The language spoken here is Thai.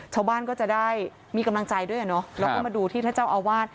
ชาวบ้านก็จะได้มีกำลังใจด้วยอ่ะเนอะแล้วก็มาดูที่ท่านเจ้าอาวาส